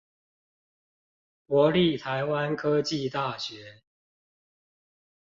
國立臺灣科技大學